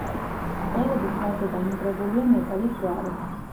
სტელების თავზე დამაგრებულია მეტალის ჯვარი.